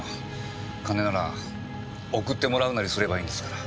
金なら送ってもらうなりすればいいんですから。